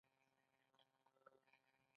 دا کار باید د ډیموکراتیکو ځواکونو په وس کې وي.